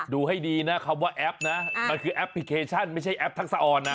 ดูให้ดีนะคำว่าแอปนะมันคือแอปพลิเคชันไม่ใช่แอปทักษะออนนะ